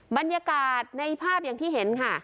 บรรยากาศในภาพอย่างที่เห็นค่ะ